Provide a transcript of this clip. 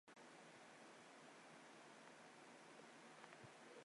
游戏与动画的配音共通。